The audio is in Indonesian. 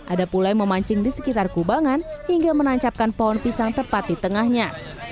ada pula yang memancing di sekitar kubangan hingga menancapkan pohon pisang tepat di tengahnya